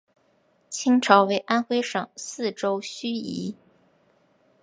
清朝为安徽省泗州盱眙。